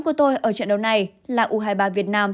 của tôi ở trận đấu này là u hai mươi ba việt nam